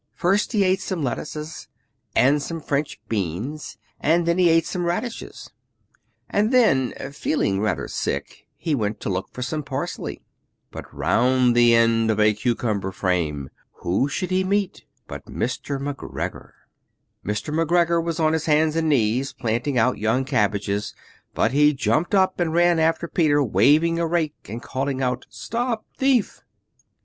First he ate some lettuces and some French beans; and then he ate some radishes; And then, feeling rather sick, he went to look for some parsley. But round the end of a cucumber frame, whom should he meet but Mr. McGregor! Mr. McGregor was on his hands and knees planting out young cabbages, but he jumped up and ran after Peter, waving a rake and calling out, 'Stop thief!'